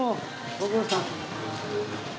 ご苦労さん。